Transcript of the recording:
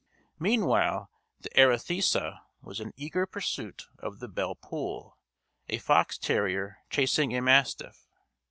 Meanwhile the Arethusa was in eager pursuit of the Belle Poule; a fox terrier chasing a mastiff!